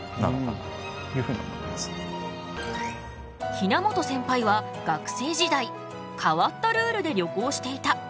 比奈本センパイは学生時代変わったルールで旅行していた。